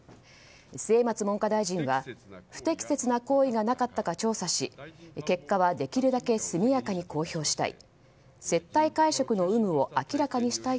末松文科大臣は不適切な行為がなかったか調査し結果はできるだけ速やかに公表したい。